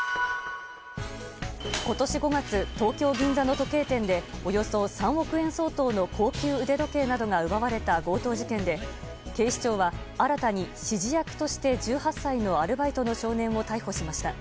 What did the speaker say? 今年５月東京・銀座の時計店でおよそ３億円相当の高級腕時計などが奪われた強盗事件で警視庁は新たに、指示役として１８歳のアルバイトの少年を逮捕しました。